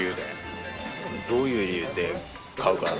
どういう理由で、買うから。